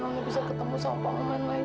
kamu bisa ketemu sama unusual lagi